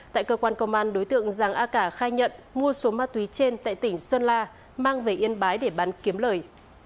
tại cơ quan công an đối tượng giàng a cả khai nhận mua số ma túy trên tại tỉnh sơn la mang về yên bái để bán kiếm lời